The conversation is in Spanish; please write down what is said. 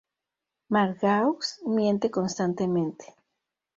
Margaux miente constantemente.